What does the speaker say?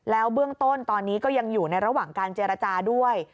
แล้วเบื้องต้นตอนนี้ก็ยังอยู่ในระหว่างการเจรจาด้วย